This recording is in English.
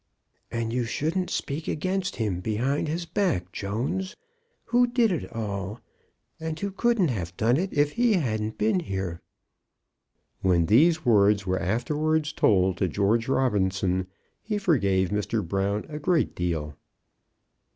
"And you shouldn't speak against him behind his back, Jones. Who did it all? And who couldn't have done it if he hadn't been here?" When these words were afterwards told to George Robinson, he forgave Mr. Brown a great deal.